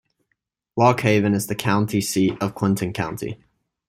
Lock Haven is the county seat of Clinton County.